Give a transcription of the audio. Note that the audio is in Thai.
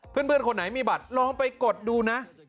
เพื่อนคนไหนมีบัตรลองไปกดดูนะ